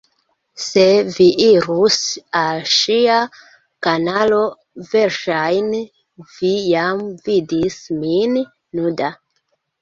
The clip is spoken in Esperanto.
Se vi irus al ŝia kanalo verŝajne vi jam vidis min nuda